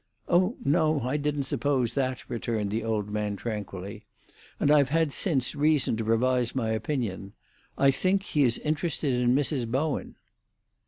"Oh no; I didn't suppose that," returned the old man tranquilly. "And I've since had reason to revise my opinion. I think he is interested in Mrs. Bowen."